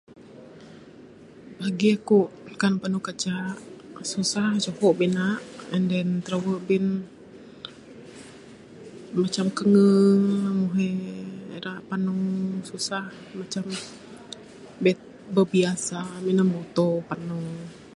Bagi aku kan panu kajak susah juho bina and then trawe bin macam kange meng he ira panu susah macam [unintelligible] meh biasa minan muto panu